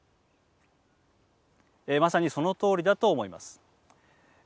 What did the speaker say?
まさにそのとおりだと思います。